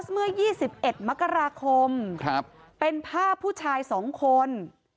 โพสต์เมื่อ๒๑มกราคมเป็นภาพผู้ชายสองคน